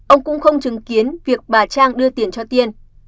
ông cũng không chứng kiến việc bà trang đưa tiền cho tiên